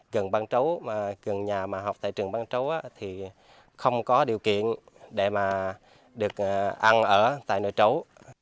gần nhà mà học tại trường bán chú thì không có điều kiện để mà được ăn ở tại nơi chấu